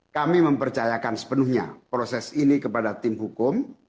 kami mempercayakan sepenuhnya proses ini kepada tim hukum